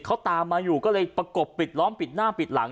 เขาตามมาอยู่ก็เลยประกบปิดล้อมปิดหน้าปิดหลัง